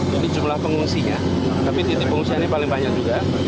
jadi jumlah pengungsinya tapi titik pengungsiannya paling banyak juga